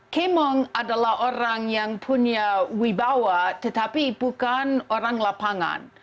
kemong adalah orang yang punya wibawa tetapi bukan orang lapangan